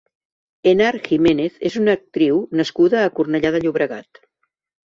Henar Jiménez és una actriu nascuda a Cornellà de Llobregat.